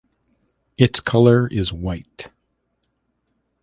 Its color is white.